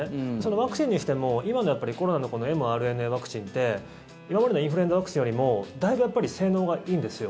ワクチンにしても、今のコロナのｍＲＮＡワクチンって今までのインフルエンザワクチンよりもだいぶ性能がいいんですよ。